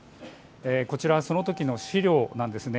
こちらはそのときの資料なんです。